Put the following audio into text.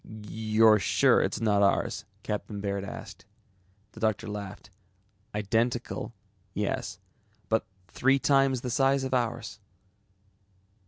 "You're sure it's not ours?" Captain Baird asked. The doctor laughed. "Identical, yes, but three times the size of ours."